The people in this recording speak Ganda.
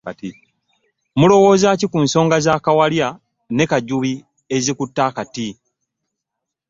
Mulowoozaaki ku nsonga za kawalya ne kajjubi ezikutte akati?